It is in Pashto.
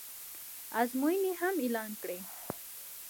ازموینې هم اعلان کړې